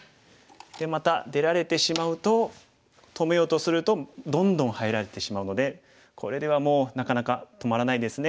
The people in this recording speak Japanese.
でまた出られてしまうと止めようとするとどんどん入られてしまうのでこれではもうなかなか止まらないですね。